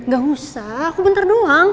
gak usah aku bentar doang